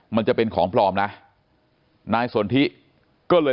มันจะเป็นของปลอมนะนายสนทิก็เลย